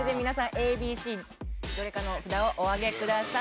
ＡＢＣどれかの札をおあげください